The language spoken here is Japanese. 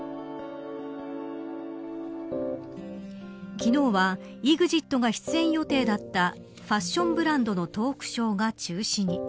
昨日はＥＸＩＴが出演予定だったファションブランドのトークショーが中止に。